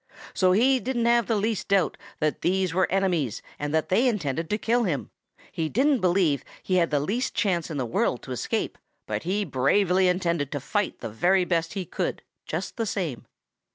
So he didn't have the least doubt that these were enemies and that they intended to kill him. He didn't believe he had the least chance in the world to escape, but he bravely intended to fight the very best he could, just the same.